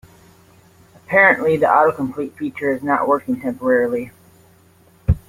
Apparently, the autocomplete feature is not working temporarily.